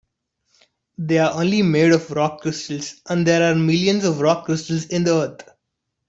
They're only made of rock crystal, and there are millions of rock crystals in the earth.